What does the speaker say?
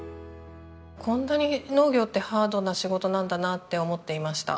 こんなに農業ってハードな仕事なんだなって思っていました。